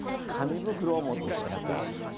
紙袋を持ってきました。